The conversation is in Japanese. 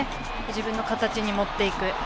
自分の形に持っていく。